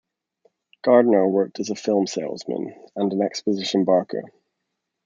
Gardner worked as a film salesman and an exposition barker.